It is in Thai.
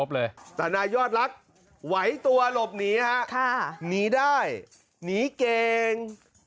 แต่นายยอดลักษณ์ไหวตัวหลบหนีฮะหนีได้หนีเก่ง